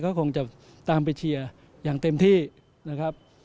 ก็คงจะตามไปเชียร์อย่างเต็มที่นะครับ